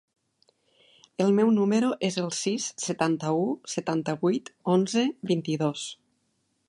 El meu número es el sis, setanta-u, setanta-vuit, onze, vint-i-dos.